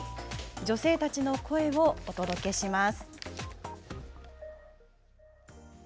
女性たちの声をお届けします。